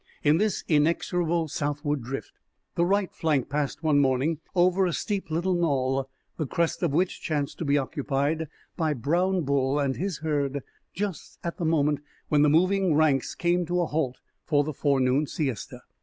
In this inexorable southward drift the right flank passed one morning over a steep little knoll, the crest of which chanced to be occupied by Brown Bull and his herd just at the moment when the moving ranks came to a halt for the forenoon siesta.